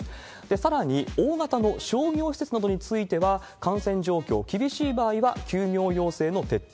さらに、大型の商業施設などについては、感染状況厳しい場合は休業要請の徹底。